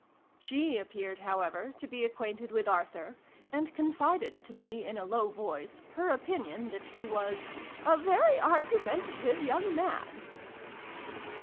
She appeared, however, to be acquainted with Arthur, and confided to me in a low voice her opinion that he was " a very argumentative young man."